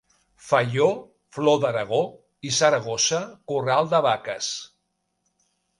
Faió, flor d'Aragó; i Saragossa, corral de vaques.